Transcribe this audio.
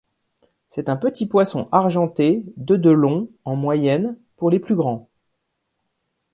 C'est un petit poisson argenté de de long en moyenne, pour les plus grands.